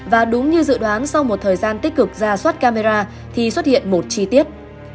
và đúng như dự đoán sau một thời gian tích cực ra soát camera thì xuất hiện một chi tiết